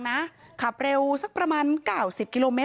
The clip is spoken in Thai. จะรับผิดชอบกับความเสียหายที่เกิดขึ้น